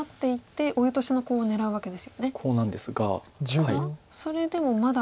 ただそれでもまだ。